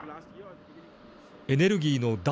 エネルギーの脱